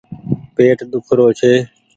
پيٽ ۮيک رو ڇي ۔